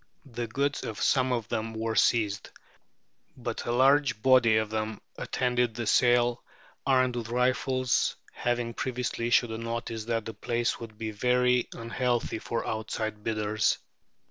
The goods of some of them were seized, but a large body of them attended the sale armed with rifles, having previously issued a notice that the place would be very "unhealthy" for outside bidders.